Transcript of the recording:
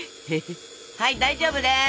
はい大丈夫です。